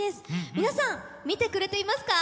皆さん見てくれていますか？